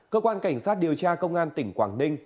cơ quan cảnh sát điều tra công an tỉnh quảng ninh